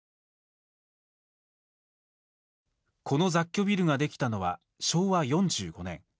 この雑居ビルができたのは昭和４５年。